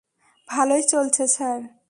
ভালোই চলছে, স্যার।